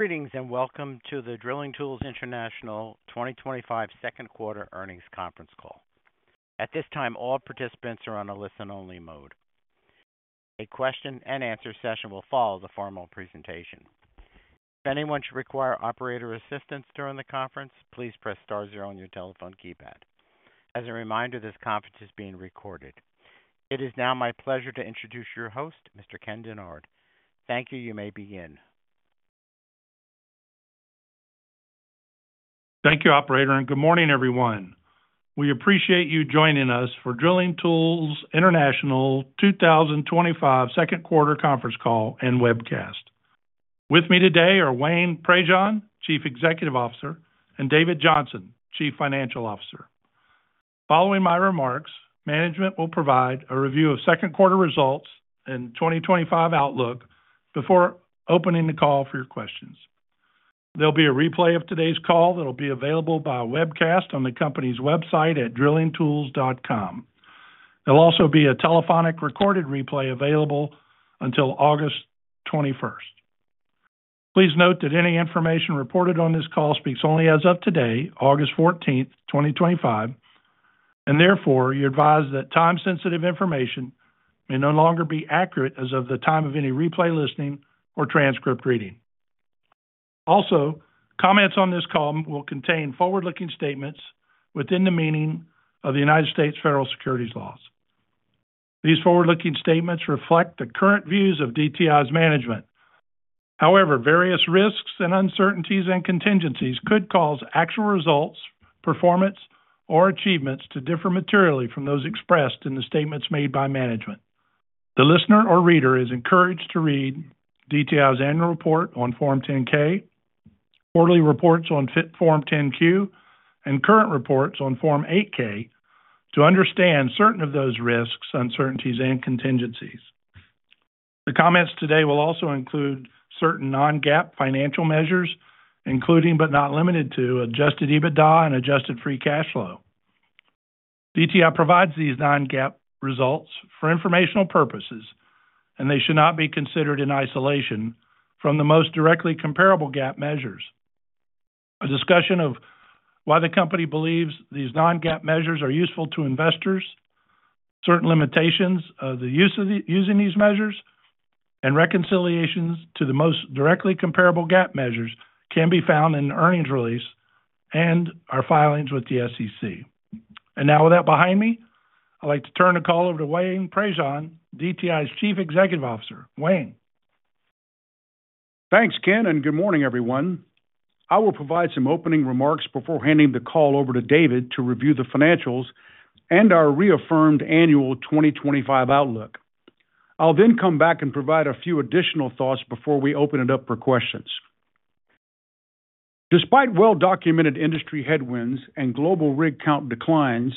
Greetings and welcome to the Drilling Tools International 2025 Second Quarter Earnings Conference Call. At this time, all participants are on a listen-only mode. A question and answer session will follow the formal presentation. If anyone should require operator assistance during the conference, please press star zero on your telephone keypad. As a reminder, this conference is being recorded. It is now my pleasure to introduce your host, Mr. Ken Dennard. Thank you. You may begin. Thank you, Operator, and good morning, everyone. We appreciate you joining us for Drilling Tools International 2025 Second Quarter Conference Call and webcast. With me today are Wayne Prejean, Chief Executive Officer, and David Johnson, Chief Financial Officer. Following my remarks, management will provide a review of second quarter results and 2025 outlook before opening the call for your questions. There will be a replay of today's call that will be available by webcast on the company's website at drillingtools.com. There will also be a telephonic recorded replay available until August 21st. Please note that any information reported on this call speaks only as of today, August 14th, 2025, and therefore you're advised that time-sensitive information may no longer be accurate as of the time of any replay listening or transcript reading. Also, comments on this call will contain forward-looking statements within the meaning of the United States Federal Securities Laws. These forward-looking statements reflect the current views of DTI's management. However, various risks and uncertainties and contingencies could cause actual results, performance, or achievements to differ materially from those expressed in the statements made by management. The listener or reader is encouraged to read DTI's annual report on Form 10-K, quarterly reports on Form 10-Q, and current reports on Form 8-K to understand certain of those risks, uncertainties, and contingencies. The comments today will also include certain non-GAAP financial measures, including but not limited to adjusted EBITDA and adjusted free cash flow. DTI provides these non-GAAP results for informational purposes, and they should not be considered in isolation from the most directly comparable GAAP measures. A discussion of why the company believes these non-GAAP measures are useful to investors, certain limitations of the use of these measures, and reconciliations to the most directly comparable GAAP measures can be found in an earnings release and our filings with the SEC. With that behind me, I'd like to turn the call over to Wayne Prejean, DTI's Chief Executive Officer. Wayne. Thanks, Ken, and good morning, everyone. I will provide some opening remarks before handing the call over to David to review the financials and our reaffirmed annual 2025 outlook. I'll then come back and provide a few additional thoughts before we open it up for questions. Despite well-documented industry headwinds and global rig count declines,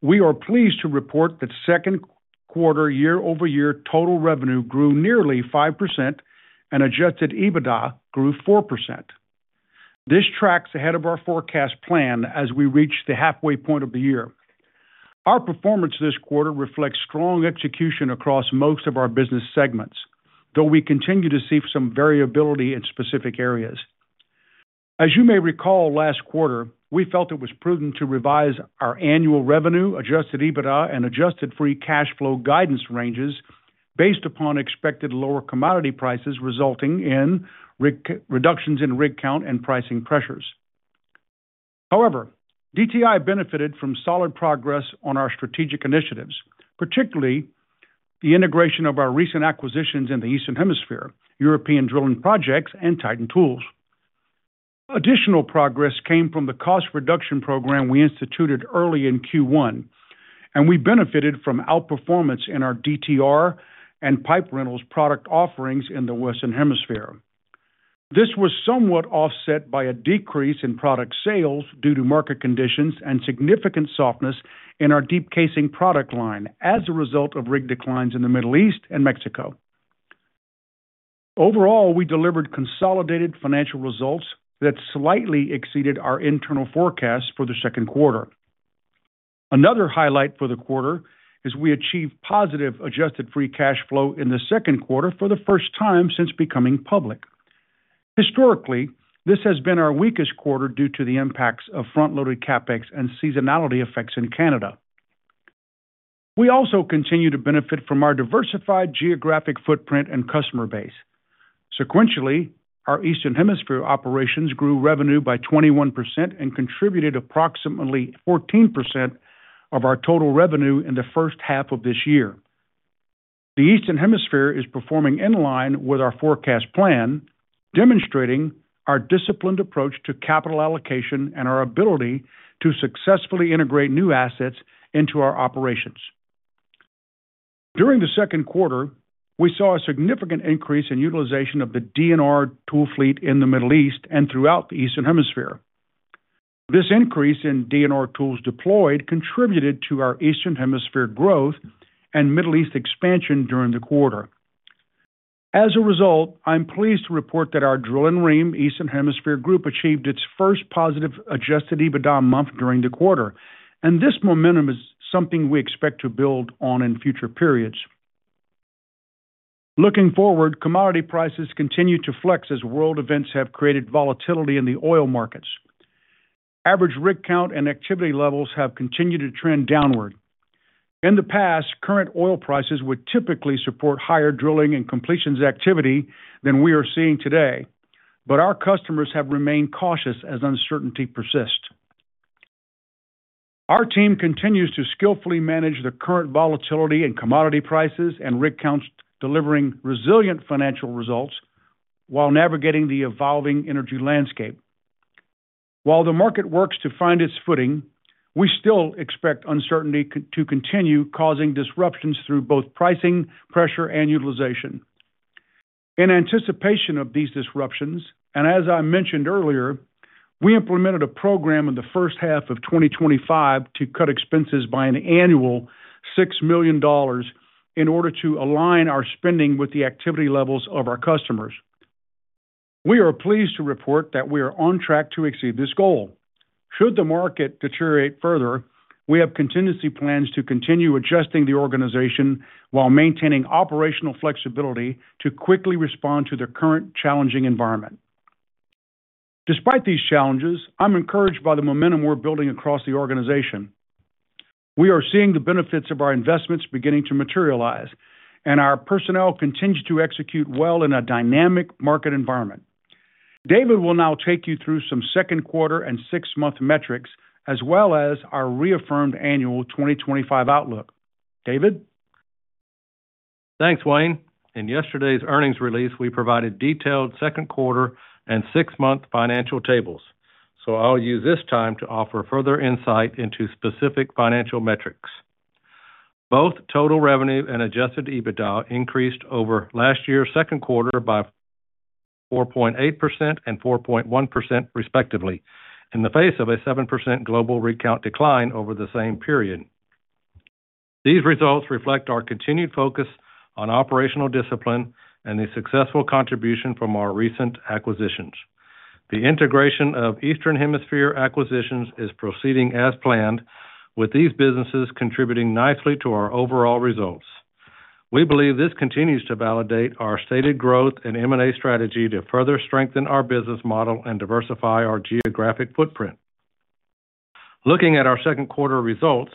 we are pleased to report that second quarter year-over-year total revenue grew nearly 5% and adjusted EBITDA grew 4%. This tracks ahead of our forecast plan as we reach the halfway point of the year. Our performance this quarter reflects strong execution across most of our business segments, though we continue to see some variability in specific areas. As you may recall, last quarter, we felt it was prudent to revise our annual revenue, adjusted EBITDA, and adjusted free cash flow guidance ranges based upon expected lower commodity prices resulting in reductions in rig count and pricing pressures. However, DTI benefited from solid progress on our strategic initiatives, particularly the integration of our recent acquisitions in the Eastern Hemisphere, European Drilling Projects, and Titan Tools. Additional progress came from the cost reduction program we instituted early in Q1, and we benefited from outperformance in our DTR and pipe rentals product offerings in the Western Hemisphere. This was somewhat offset by a decrease in product sales due to market conditions and significant softness in our deep casing product line as a result of rig declines in the Middle East and Mexico. Overall, we delivered consolidated financial results that slightly exceeded our internal forecasts for the second quarter. Another highlight for the quarter is we achieved positive adjusted free cash flow in the second quarter for the first time since becoming public. Historically, this has been our weakest quarter due to the impacts of front-loaded CapEx and seasonality effects in Canada. We also continue to benefit from our diversified geographic footprint and customer base. Sequentially, our Eastern Hemisphere operations grew revenue by 21% and contributed approximately 14% of our total revenue in the first half of this year. The Eastern Hemisphere is performing in line with our forecast plan, demonstrating our disciplined approach to capital allocation and our ability to successfully integrate new assets into our operations. During the second quarter, we saw a significant increase in utilization of the DNR tool fleet in the Middle East and throughout the Eastern Hemisphere. This increase in DNR tools deployed contributed to our Eastern Hemisphere growth and Middle East expansion during the quarter. As a result, I'm pleased to report that our Drill-N-Ream Eastern Hemisphere group achieved its first positive adjusted EBITDA month during the quarter, and this momentum is something we expect to build on in future periods. Looking forward, commodity prices continue to flex as world events have created volatility in the oil markets. Average rig count and activity levels have continued to trend downward. In the past, current oil prices would typically support higher drilling and completions activity than we are seeing today, but our customers have remained cautious as uncertainty persists. Our team continues to skillfully manage the current volatility in commodity prices and rig counts, delivering resilient financial results while navigating the evolving energy landscape. While the market works to find its footing, we still expect uncertainty to continue causing disruptions through both pricing pressure and utilization. In anticipation of these disruptions, and as I mentioned earlier, we implemented a program in the first half of 2025 to cut expenses by an annual $6 million in order to align our spending with the activity levels of our customers. We are pleased to report that we are on track to exceed this goal. Should the market deteriorate further, we have contingency plans to continue adjusting the organization while maintaining operational flexibility to quickly respond to the current challenging environment. Despite these challenges, I'm encouraged by the momentum we're building across the organization. We are seeing the benefits of our investments beginning to materialize, and our personnel continue to execute well in a dynamic market environment. David will now take you through some second quarter and six-month metrics, as well as our reaffirmed annual 2025 outlook. David? Thanks, Wayne. In yesterday's earnings release, we provided detailed second quarter and six-month financial tables, so I'll use this time to offer further insight into specific financial metrics. Both total revenue and adjusted EBITDA increased over last year's second quarter by 4.8% and 4.1% respectively, in the face of a 7% global rig count decline over the same period. These results reflect our continued focus on operational discipline and the successful contribution from our recent acquisitions. The integration of Eastern Hemisphere acquisitions is proceeding as planned, with these businesses contributing nicely to our overall results. We believe this continues to validate our stated growth and M&A strategy to further strengthen our business model and diversify our geographic footprint. Looking at our second quarter results,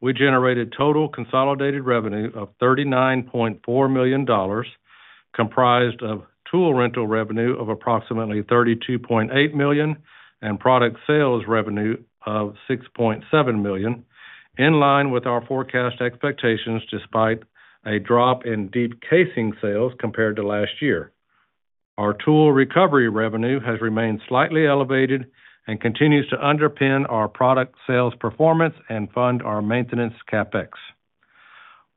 we generated total consolidated revenue of $39.4 million, comprised of tool rental revenue of approximately $32.8 million and product sales revenue of $6.7 million, in line with our forecast expectations despite a drop in deep casing sales compared to last year. Our tool recovery revenue has remained slightly elevated and continues to underpin our product sales performance and fund our maintenance CapEx.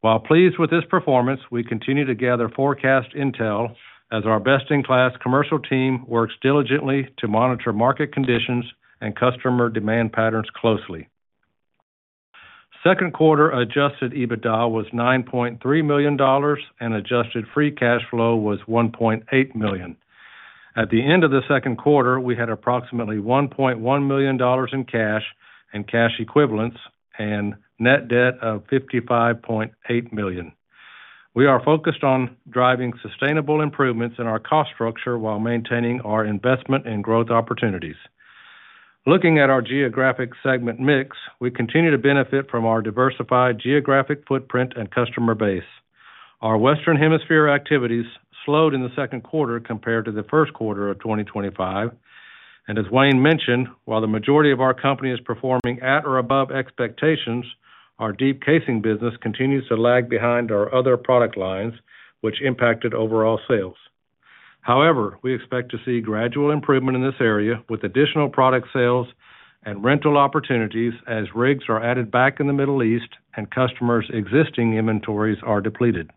While pleased with this performance, we continue to gather forecast intel as our best-in-class commercial team works diligently to monitor market conditions and customer demand patterns closely. Second quarter adjusted EBITDA was $9.3 million and adjusted free cash flow was $1.8 million. At the end of the second quarter, we had approximately $1.1 million in cash and cash equivalents and net debt of $55.8 million. We are focused on driving sustainable improvements in our cost structure while maintaining our investment and growth opportunities. Looking at our geographic segment mix, we continue to benefit from our diversified geographic footprint and customer base. Our Western Hemisphere activities slowed in the second quarter compared to the First Quarter of 2025, and as Wayne mentioned, while the majority of our company is performing at or above expectations, our deep casing business continues to lag behind our other product lines, which impacted overall sales. However, we expect to see gradual improvement in this area with additional product sales and rental opportunities as rigs are added back in the Middle East and customers' existing inventories are depleted.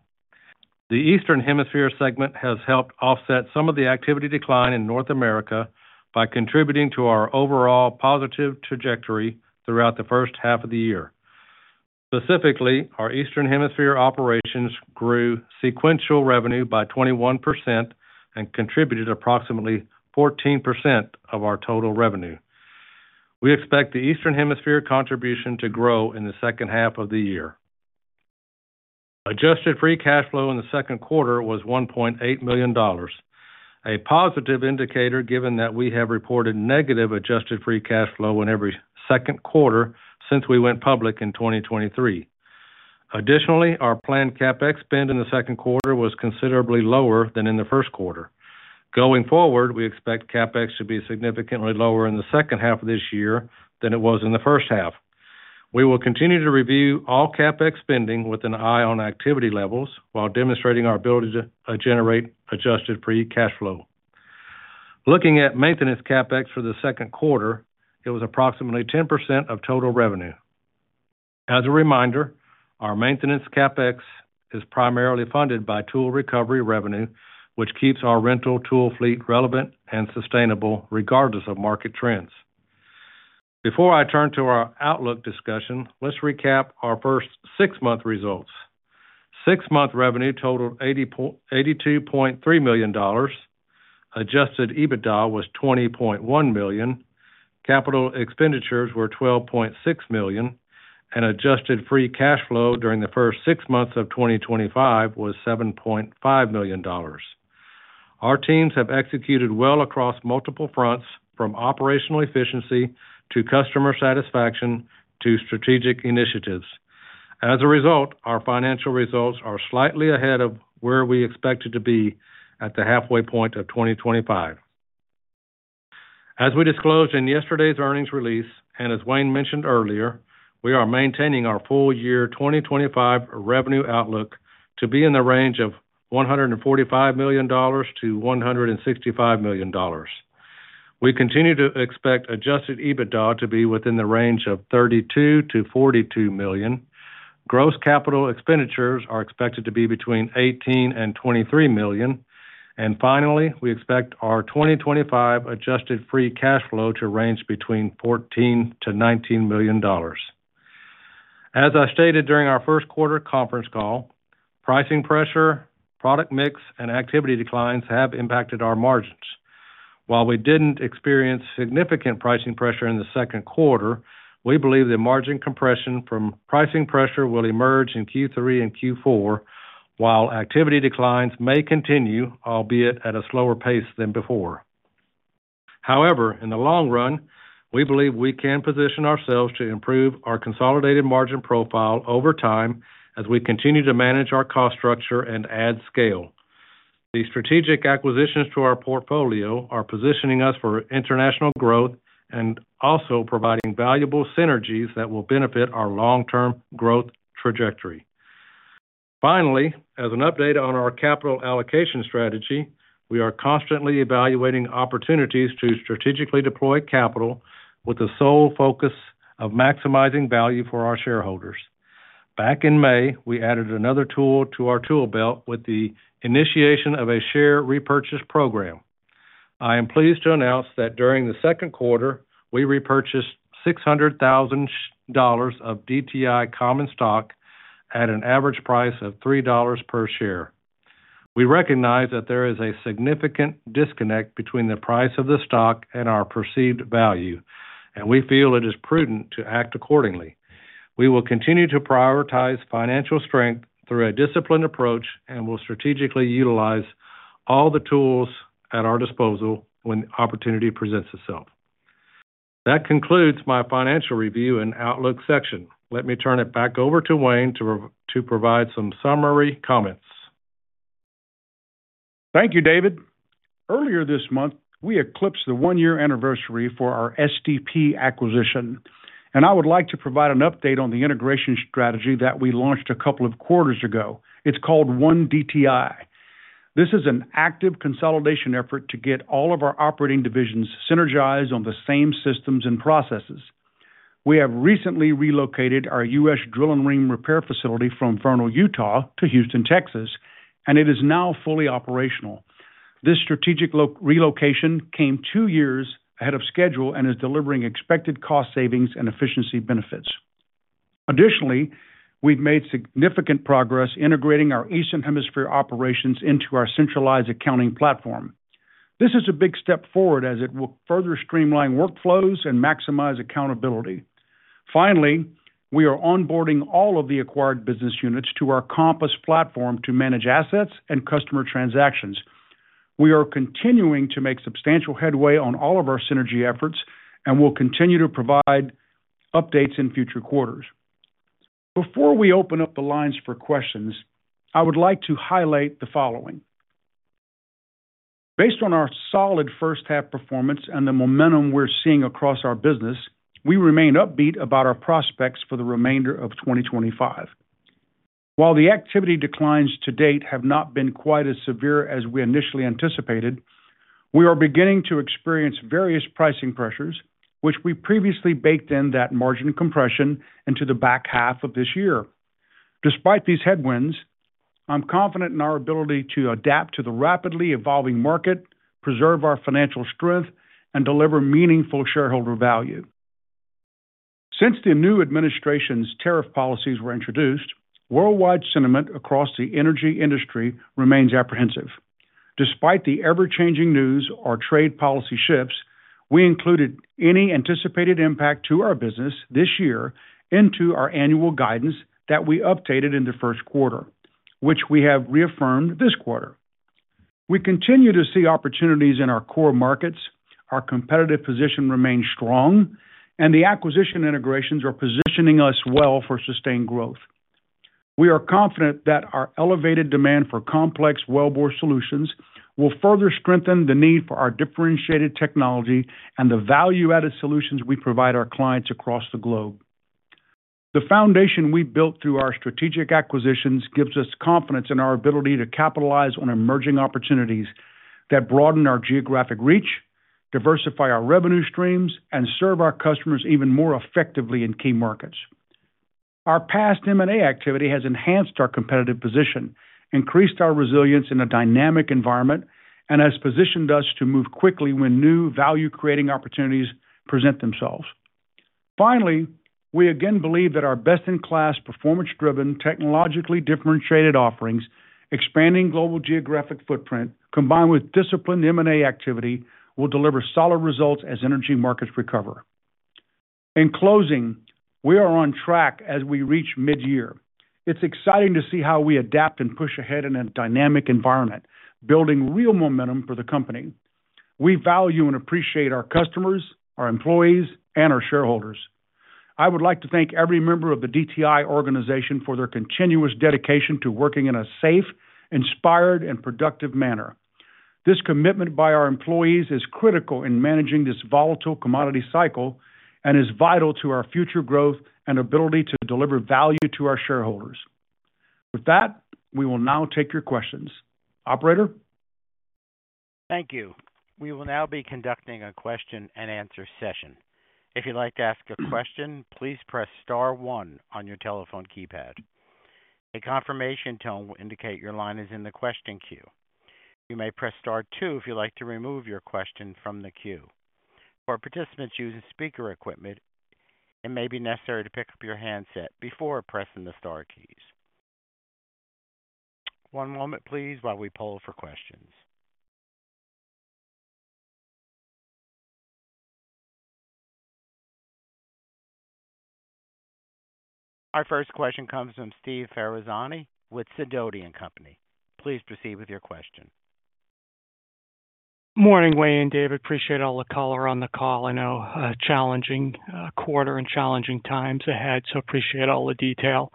The Eastern Hemisphere segment has helped offset some of the activity decline in North America by contributing to our overall positive trajectory throughout the first half of the year. Specifically, our Eastern Hemisphere operations grew sequential revenue by 21% and contributed approximately 14% of our total revenue. We expect the Eastern Hemisphere contribution to grow in the second half of the year. Adjusted free cash flow in the second quarter was $1.8 million, a positive indicator given that we have reported negative adjusted free cash flow in every second quarter since we went public in 2023. Additionally, our planned CapEx spend in the second quarter was considerably lower than in the First Quarter. Going forward, we expect CapEx to be significantly lower in the second half of this year than it was in the first half. We will continue to review all CapEx spending with an eye on activity levels while demonstrating our ability to generate adjusted free cash flow. Looking at maintenance CapEx for the second quarter, it was approximately 10% of total revenue. As a reminder, our maintenance CapEx is primarily funded by tool recovery revenue, which keeps our rental tool fleet relevant and sustainable regardless of market trends. Before I turn to our outlook discussion, let's recap our first six-month results. Six-month revenue totaled $82.3 million. Adjusted EBITDA was $20.1 million. Capital expenditures were $12.6 million, and adjusted free cash flow during the first six months of 2025 was $7.5 million. Our teams have executed well across multiple fronts, from operational efficiency to customer satisfaction to strategic initiatives. As a result, our financial results are slightly ahead of where we expected to be at the halfway point of 2025. As we disclosed in yesterday's earnings release, and as Wayne mentioned earlier, we are maintaining our full-year 2025 revenue outlook to be in the range of $145 million-$165 million. We continue to expect adjusted EBITDA to be within the range of $32 million-$42 million. Gross capital expenditures are expected to be between $18 million and $23 million. Finally, we expect our 2025 adjusted free cash flow to range between $14 million-$19 million. As I stated during our First Quarter conference call, pricing pressure, product mix, and activity declines have impacted our margins. While we didn't experience significant pricing pressure in the second quarter, we believe the margin compression from pricing pressure will emerge in Q3 and Q4, while activity declines may continue, albeit at a slower pace than before. However, in the long run, we believe we can position ourselves to improve our consolidated margin profile over time as we continue to manage our cost structure and add scale. The strategic acquisitions to our portfolio are positioning us for international growth and also providing valuable synergies that will benefit our long-term growth trajectory. Finally, as an update on our capital allocation strategy, we are constantly evaluating opportunities to strategically deploy capital with the sole focus of maximizing value for our shareholders. Back in May, we added another tool to our tool belt with the initiation of a share repurchase program. I am pleased to announce that during the second quarter, we repurchased $600,000 of DTI common stock at an average price of $3 per share. We recognize that there is a significant disconnect between the price of the stock and our perceived value, and we feel it is prudent to act accordingly. We will continue to prioritize financial strength through a disciplined approach and will strategically utilize all the tools at our disposal when opportunity presents itself. That concludes my financial review and outlook section. Let me turn it back over to Wayne to provide some summary comments. Thank you, David. Earlier this month, we eclipsed the one-year anniversary for our SDP acquisition, and I would like to provide an update on the integration strategy that we launched a couple of quarters ago. It's called One DTI. This is an active consolidation effort to get all of our operating divisions synergized on the same systems and processes. We have recently relocated our US Drill-N-Ream repair facility from Vernal, Utah, to Houston, Texas, and it is now fully operational. This strategic relocation came two years ahead of schedule and is delivering expected cost savings and efficiency benefits. Additionally, we've made significant progress integrating our Eastern Hemisphere operations into our centralized accounting platform. This is a big step forward as it will further streamline workflows and maximize accountability. Finally, we are onboarding all of the acquired business units to our Compass platform to manage assets and customer transactions. We are continuing to make substantial headway on all of our synergy efforts and will continue to provide updates in future quarters. Before we open up the lines for questions, I would like to highlight the following. Based on our solid first-half performance and the momentum we're seeing across our business, we remain upbeat about our prospects for the remainder of 2025. While the activity declines to date have not been quite as severe as we initially anticipated, we are beginning to experience various pricing pressures, which we previously baked in that margin compression into the back half of this year. Despite these headwinds, I'm confident in our ability to adapt to the rapidly evolving market, preserve our financial strength, and deliver meaningful shareholder value. Since the new administration's tariff policies were introduced, worldwide sentiment across the energy industry remains apprehensive. Despite the ever-changing news or trade policy shifts, we included any anticipated impact to our business this year into our annual guidance that we updated in the First Quarter, which we have reaffirmed this quarter. We continue to see opportunities in our core markets, our competitive position remains strong, and the acquisition integrations are positioning us well for sustained growth. We are confident that our elevated demand for complex wellbore solutions will further strengthen the need for our differentiated technology and the value-added solutions we provide our clients across the globe. The foundation we've built through our strategic acquisitions gives us confidence in our ability to capitalize on emerging opportunities that broaden our geographic reach, diversify our revenue streams, and serve our customers even more effectively in key markets. Our past M&A activity has enhanced our competitive position, increased our resilience in a dynamic environment, and has positioned us to move quickly when new value-creating opportunities present themselves. Finally, we again believe that our best-in-class, performance-driven, technologically differentiated offerings, expanding global geographic footprint, combined with disciplined M&A activity, will deliver solid results as energy markets recover. In closing, we are on track as we reach mid-year. It's exciting to see how we adapt and push ahead in a dynamic environment, building real momentum for the company. We value and appreciate our customers, our employees, and our shareholders. I would like to thank every member of the DTI organization for their continuous dedication to working in a safe, inspired, and productive manner. This commitment by our employees is critical in managing this volatile commodity cycle and is vital to our future growth and ability to deliver value to our shareholders. With that, we will now take your questions. Operator? Thank you. We will now be conducting a question and answer session. If you'd like to ask a question, please press star one on your telephone keypad. A confirmation tone will indicate your line is in the question queue. You may press star two if you'd like to remove your question from the queue. For participants using speaker equipment, it may be necessary to pick up your handset before pressing the star keys. One moment, please, while we poll for questions. Our first question comes from Steve Ferazani with Sidoti & Company. Please proceed with your question. Morning, Wayne and David. Appreciate all the color on the call. I know a challenging quarter and challenging times ahead, so appreciate all the detail.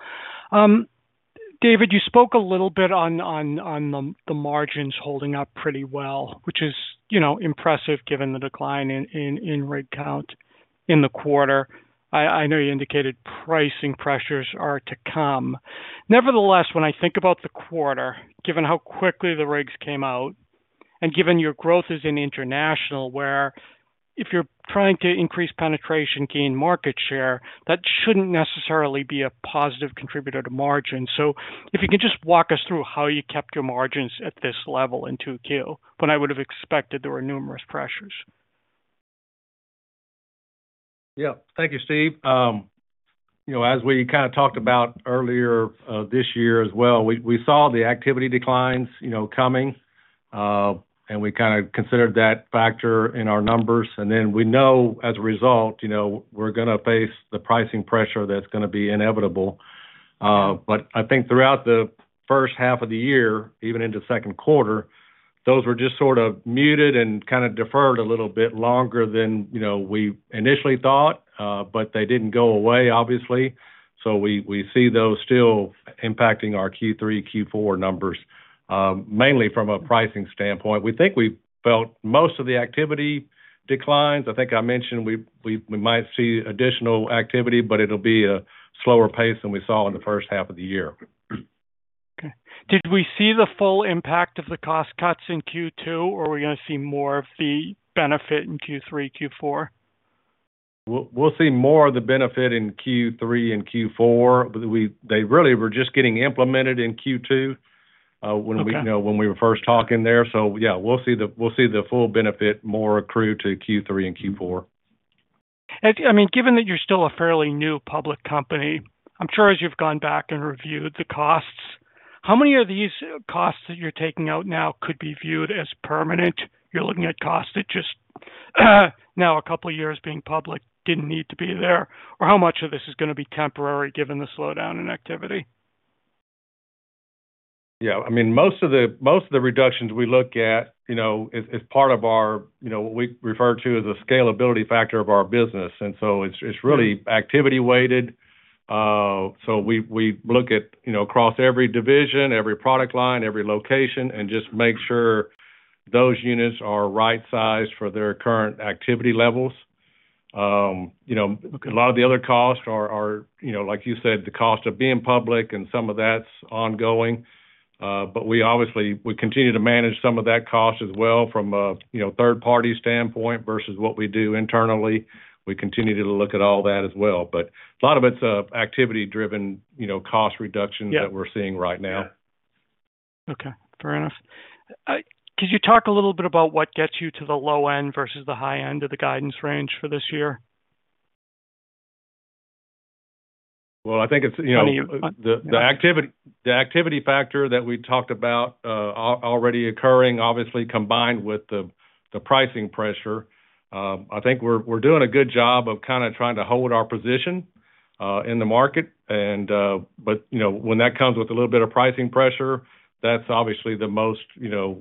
David, you spoke a little bit on the margins holding up pretty well, which is impressive given the decline in rig count in the quarter. I know you indicated pricing pressures are to come. Nevertheless, when I think about the quarter, given how quickly the rigs came out and given your growth is in international, where if you're trying to increase penetration, gain market share, that shouldn't necessarily be a positive contributor to margins. If you can just walk us through how you kept your margins at this level in 2Q, when I would have expected there were numerous pressures. Yeah, thank you, Steve. As we kind of talked about earlier this year as well, we saw the activity declines coming, and we kind of considered that factor in our numbers. We know as a result we're going to face the pricing pressure that's going to be inevitable. I think throughout the first half of the year, even into the second quarter, those were just sort of muted and kind of deferred a little bit longer than we initially thought, but they didn't go away, obviously. We see those still impacting our Q3, Q4 numbers, mainly from a pricing standpoint. We think we felt most of the activity declines. I think I mentioned we might see additional activity, but it'll be a slower pace than we saw in the first half of the year. Okay. Did we see the full impact of the cost cuts in Q2, or are we going to see more of the benefit in Q3, Q4? We'll see more of the benefit in Q3 and Q4. They really were just getting implemented in Q2 when we were first talking there. We'll see the full benefit more accrued to Q3 and Q4. Given that you're still a fairly new public company, I'm sure as you've gone back and reviewed the costs, how many of these costs that you're taking out now could be viewed as permanent? You're looking at costs that just now a couple of years being public didn't need to be there, or how much of this is going to be temporary given the slowdown in activity? Yeah, I mean, most of the reductions we look at are part of what we refer to as the scalability factor of our business. It's really activity weighted. We look across every division, every product line, every location, and just make sure those units are right-sized for their current activity levels. A lot of the other costs are, like you said, the cost of being public and some of that's ongoing. We obviously continue to manage some of that cost as well from a third-party standpoint versus what we do internally. We continue to look at all that as well. A lot of it's activity-driven cost reductions that we're seeing right now. Okay, fair enough. Could you talk a little bit about what gets you to the low end versus the high end of the guidance range for this year? I think it's the activity factor that we talked about already occurring, obviously combined with the pricing pressure. I think we're doing a good job of kind of trying to hold our position in the market, but you know, when that comes with a little bit of pricing pressure, that's obviously the most EBITDA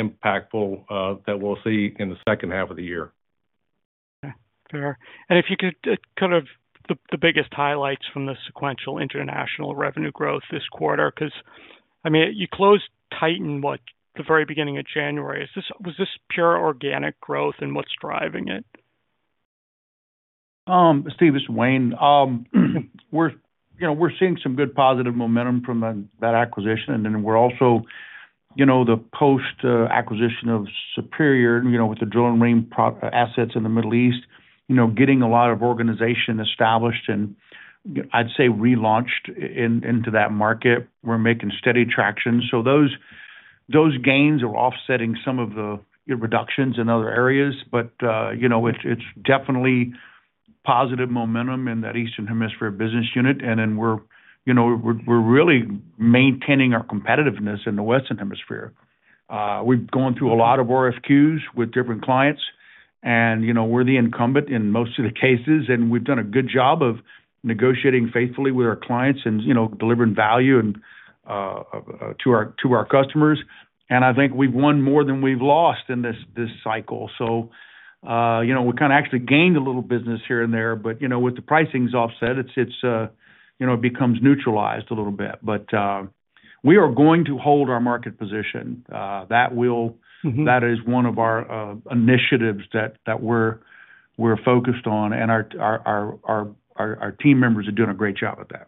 impactful that we'll see in the second half of the year. Okay, fair. If you could kind of, the biggest highlights from the sequential international revenue growth this quarter, because I mean, you closed Titan at the very beginning of January. Was this pure organic growth and what's driving it? Steve, this is Wayne. We're seeing some good positive momentum from that acquisition. We're also, the post-acquisition of Superior, with the Drill-N-Ream assets in the Middle East, getting a lot of organization established and I'd say relaunched into that market. We're making steady traction. Those gains are offsetting some of the reductions in other areas. It's definitely positive momentum in that Eastern Hemisphere business unit. We're really maintaining our competitiveness in the Western Hemisphere. We've gone through a lot of RFQs with different clients. We're the incumbent in most of the cases. We've done a good job of negotiating faithfully with our clients and delivering value to our customers. I think we've won more than we've lost in this cycle. We kind of actually gained a little business here and there. With the pricings offset, it becomes neutralized a little bit. We are going to hold our market position. That is one of our initiatives that we're focused on. Our team members are doing a great job at that.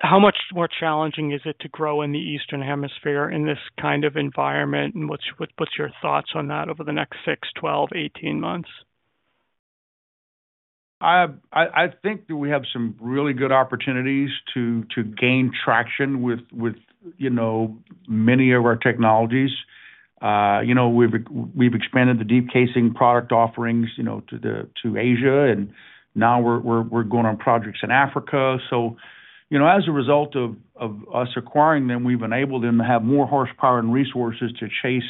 How much more challenging is it to grow in the Eastern Hemisphere in this kind of environment? What's your thoughts on that over the next 6, 12, 18 months? I think that we have some really good opportunities to gain traction with many of our technologies. We've expanded the deep casing product offerings to Asia, and now we're going on projects in Africa. As a result of us acquiring them, we've enabled them to have more horsepower and resources to chase things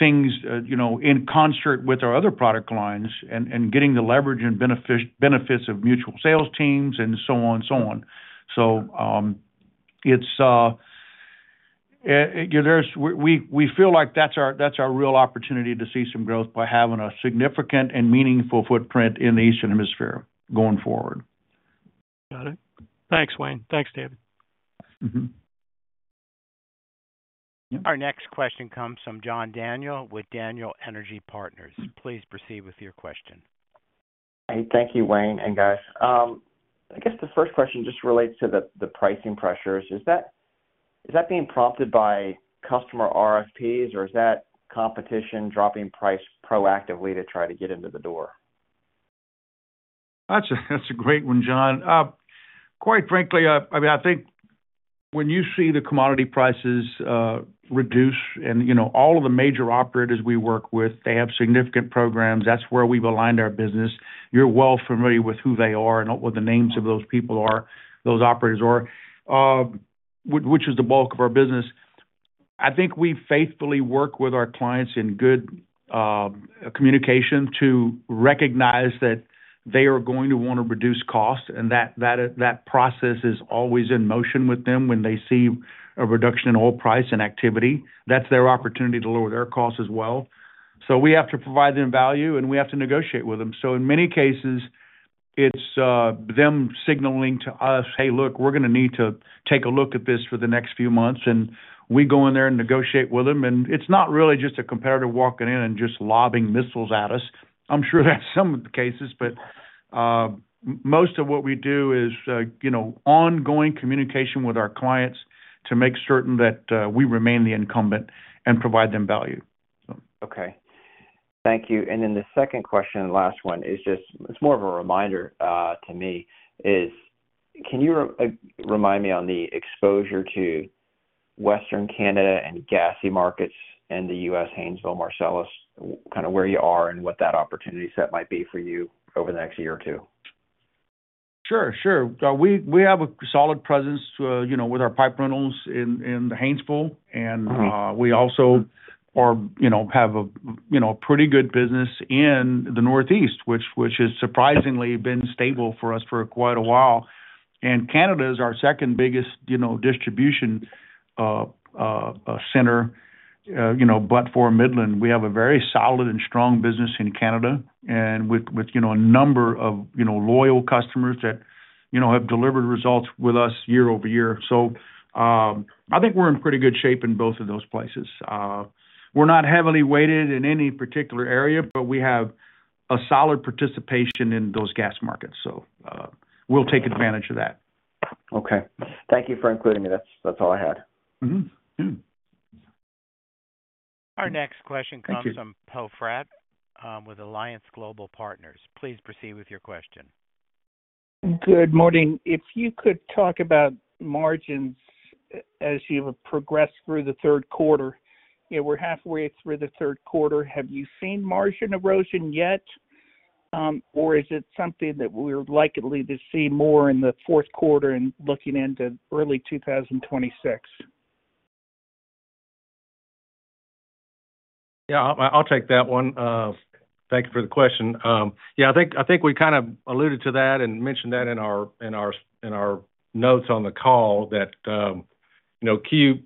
in concert with our other product lines and getting the leverage and benefits of mutual sales teams and so on. We feel like that's our real opportunity to see some growth by having a significant and meaningful footprint in the Eastern Hemisphere going forward. Got it. Thanks, Wayne. Thanks, David. Our next question comes from John Daniel with Daniel Energy Partners. Please proceed with your question. Thank you, Wayne and guys. I guess the first question just relates to the pricing pressures. Is that being prompted by customer RFPs, or is that competition dropping price proactively to try to get into the door? That's a great one, John. Quite frankly, I mean, I think when you see the commodity prices reduce and, you know, all of the major operators we work with, they have significant programs. That's where we've aligned our business. You're well familiar with who they are and what the names of those people are, those operators are, which is the bulk of our business. I think we faithfully work with our clients in good communication to recognize that they are going to want to reduce costs and that that process is always in motion with them when they see a reduction in oil price and activity. That's their opportunity to lower their costs as well. We have to provide them value and we have to negotiate with them. In many cases, it's them signaling to us, "Hey, look, we're going to need to take a look at this for the next few months." We go in there and negotiate with them. It's not really just a competitor walking in and just lobbing missiles at us. I'm sure that's some of the cases, but most of what we do is ongoing communication with our clients to make certain that we remain the incumbent and provide them value. Thank you. The second question, the last one, is just, it's more of a reminder to me. Can you remind me on the exposure to Western Canada and gassy markets and the U.S. Haynesville, Marcellus, kind of where you are and what that opportunity set might be for you over the next year or two? We have a solid presence with our pipe rentals in the Hanesville. We also have a pretty good business in the Northeast, which has surprisingly been stable for us for quite a while. Canada is our second biggest distribution center, but for Midland, we have a very solid and strong business in Canada with a number of loyal customers that have delivered results with us year-over-year. I think we're in pretty good shape in both of those places. We're not heavily weighted in any particular area, but we have a solid participation in those gas markets. We'll take advantage of that. Okay, thank you for including me. That's all I had. Our next question comes from Poe Fratt with Alliance Global Partners. Please proceed with your question. Good morning. If you could talk about margins as you progress through the third quarter, you know, we're halfway through the third quarter. Have you seen margin erosion yet, or is it something that we're likely to see more in the fourth quarter and looking into early 2026? Yeah, I'll take that one. Thank you for the question. I think we kind of alluded to that and mentioned that in our notes on the call that, you know, Q1,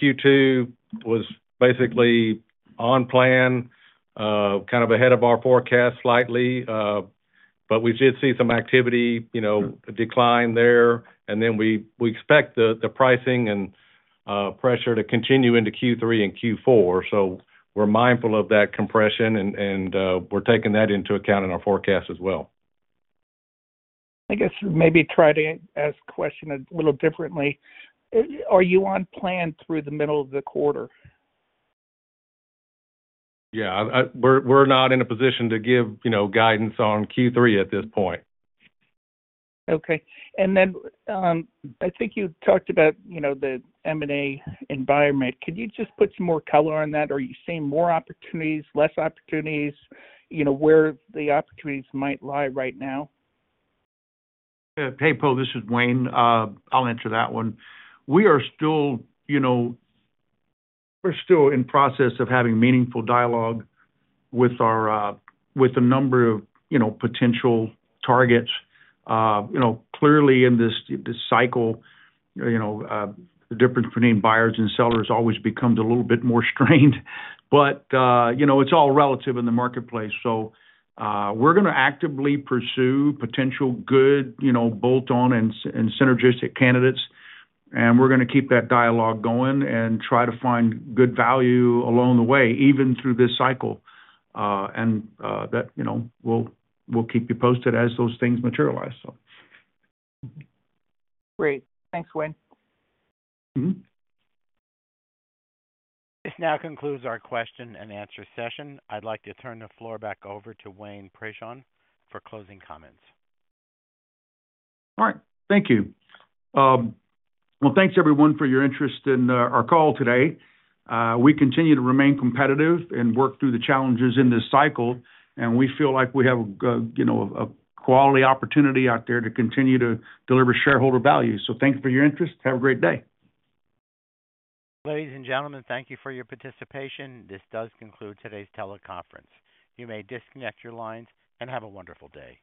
Q2 was basically on plan, kind of ahead of our forecast slightly. We did see some activity, you know, decline there, and we expect the pricing and pressure to continue into Q3 and Q4. We're mindful of that compression and we're taking that into account in our forecast as well. I guess maybe try to ask the question a little differently. Are you on plan through the middle of the quarter? Yeah, we're not in a position to give guidance on Q3 at this point. Okay. I think you talked about the M&A environment. Could you just put some more color on that? Are you seeing more opportunities, less opportunities, where the opportunities might lie right now? Hey, Poe, this is Wayne. I'll answer that one. We are still in the process of having meaningful dialogue with a number of potential targets. Clearly in this cycle, the difference between buyers and sellers always becomes a little bit more strained. It's all relative in the marketplace. We are going to actively pursue potential good bolt-on and synergistic candidates. We are going to keep that dialogue going and try to find good value along the way, even through this cycle. We will keep you posted as those things materialize. Great. Thanks, Wayne. This now concludes our question and answer session. I'd like to turn the floor back over to Wayne Prejean for closing comments. All right. Thank you. Thank you everyone for your interest in our call today. We continue to remain competitive and work through the challenges in this cycle. We feel like we have a quality opportunity out there to continue to deliver shareholder value. Thank you for your interest. Have a great day. Ladies and gentlemen, thank you for your participation. This does conclude today's teleconference. You may disconnect your lines and have a wonderful day.